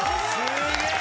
すげえ！